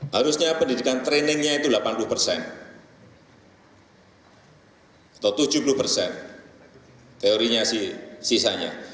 harusnya pendidikan trainingnya itu delapan puluh persen atau tujuh puluh persen teorinya sisanya